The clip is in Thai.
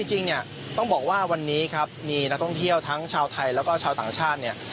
จริงเนี่ยต้องบอกว่าวันนี้ครับมีนักท่องเที่ยวทั้งชาวไทยแล้วก็ชาวต่างชาติเนี่ย